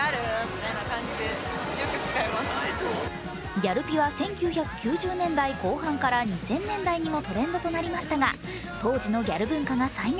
「ギャルピ」は１９９０年代後半から２０００年代にもトレンドとなりましたが当時のギャル文化が再燃。